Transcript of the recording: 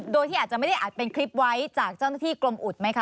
โดยที่อาจจะไม่ได้อัดเป็นคลิปไว้จากเจ้าหน้าที่กรมอุดไหมคะ